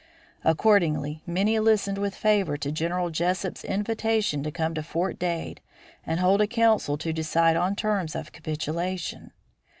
Accordingly many listened with favor to General Jesup's invitation to come to Fort Dade and hold a council to decide on terms of capitulation.